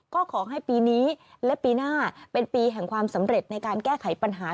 ก็ขอให้ปีนี้และปีหน้าเป็นปีแห่งความสำเร็จในการแก้ไขปัญหา